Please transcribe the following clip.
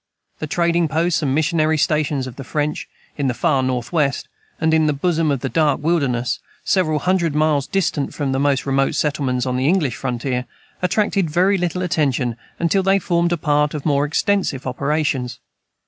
The trading posts and missionary stations of the French, in the far Northwest, and in the bosom of the dark wilderness, several hundred miles distant from the most remote settlements on the English frontier, attracted very little attention until they formed a part of more extensive operations.